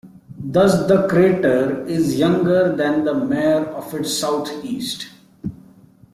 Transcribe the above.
Thus, the crater is younger than the mare to its southeast.